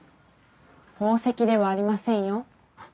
宝石ではありませんよ。